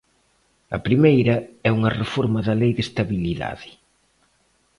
A primeira é unha reforma da Lei de estabilidade.